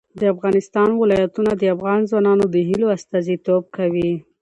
د افغانستان ولايتونه د افغان ځوانانو د هیلو استازیتوب کوي.